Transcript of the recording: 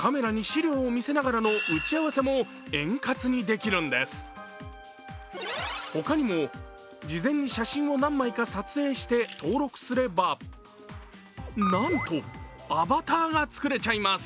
これなら他にも事前に写真を何回か撮影して登録すれば、なんとアバターが作れちゃいます。